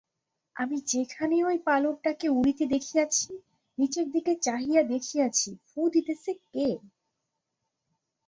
আমি যেখানে ঐ পালকটাকে উড়িতে দেখিয়াছি, নীচের দিকে চাহিয়া দেখিয়াছি ফুঁ দিতেছে কে!